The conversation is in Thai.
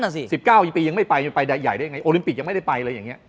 สิบเจ้าปียังไม่ไปมันจะไปใหญ่ได้ยังไงโอลิมปิกยังไม่ได้ไปเลยอย่างเงี้ย